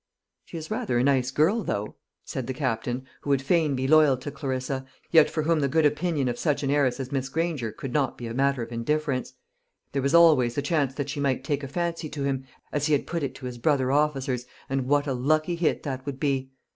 "She is rather a nice girl, though," said the Captain, who would fain be loyal to Clarissa, yet for whom the good opinion of such an heiress as Miss Granger could not be a matter of indifference there was always the chance that she might take a fancy to him, as he put it to his brother officers, and what a lucky hit that would be!